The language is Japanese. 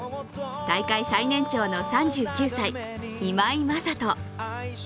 大会最年長の３９歳、今井正人。